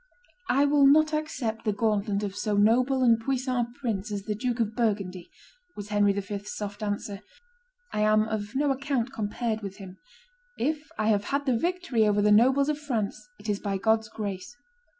"I will not accept the gauntlet of so noble and puissant a prince as the Duke of Burgundy," was Henry V.'s soft answer; "I am of no account compared with him. If I have had the victory over the nobles of France, it is by God's grace.